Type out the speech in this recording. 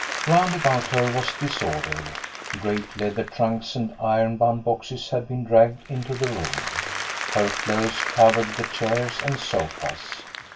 Round about her was disorder. Great leather trunks and iron bound boxes had been dragged into the room. Her clothes covered the chairs and sofas.